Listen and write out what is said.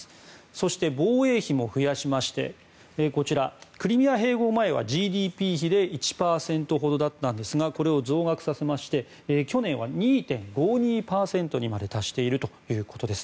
そして、防衛費も増やしましてこちら、クリミア併合前はＧＤＰ比で１％ほどだったんですがこれを増額させまして去年は２．５２％まで達しているということです。